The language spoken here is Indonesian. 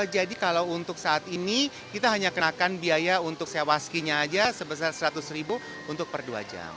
kalau untuk saat ini kita hanya kenakan biaya untuk sewa skinya aja sebesar seratus ribu untuk per dua jam